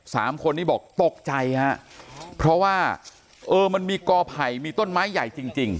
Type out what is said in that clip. สามคนนี้บอกตกใจฮะเพราะว่าเออมันมีกอไผ่มีต้นไม้ใหญ่จริงจริง